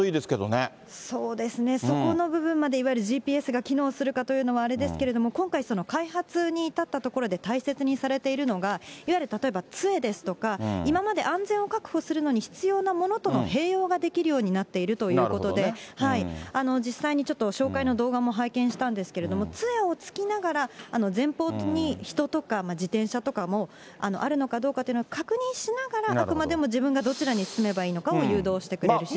そうですね、そこの部分までいわゆるＧＰＳが機能するかというのはあれですけれども、今回、開発に至ったところで大切にされているのが、いわゆる例えばつえですとか、今まで安全を確保するのに必要なものとの併用ができるようになっているということで、実際にちょっと紹介の動画も拝見したんですけれども、つえをつきながら、前方に人とか自転車とかもあるのかどうかっていうのを確認しながら、あくまでも自分がどちらに進めばいいのかを誘導してくれるシステ